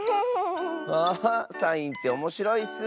あサインっておもしろいッス。